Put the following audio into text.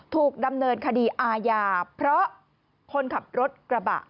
ถูกดำเนินคดีอาญาเพราะคนขับรถกระบะ